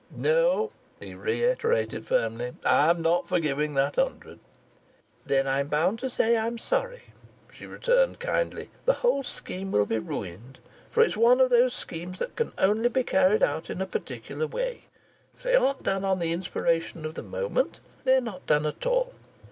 "No," he reiterated firmly, "I'm not for giving that hundred." "Then I'm bound to say I'm sorry," she returned kindly. "The whole scheme will be ruined, for it's one of those schemes that can only be carried out in a particular way if they aren't done on the inspiration of the moment they're not done at all.